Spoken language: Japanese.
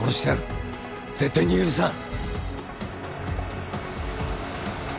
絶対に許さん！